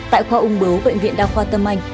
tại khoa ung bứu bệnh viện đa khoa tâm anh